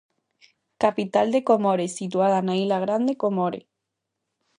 Capital de Comores, situada na illa Grande Comore.